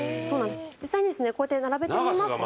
実際にですねこうやって並べてみますと。